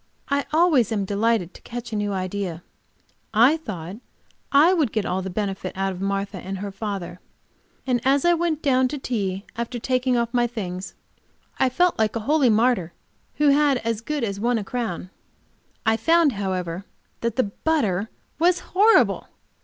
I always am delighted to catch a new idea; I thought I would get all the benefit out of Martha and her father, and as I went down to tea, after taking off my things, felt like a holy martyr who had as good as won a crown. I found, however, that the butter was horrible.